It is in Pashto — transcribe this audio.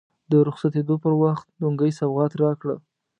د رخصتېدو پر وخت لونګۍ سوغات راکړه.